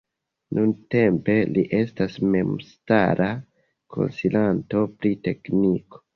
Nuntempe li estas memstara konsilanto pri tekniko.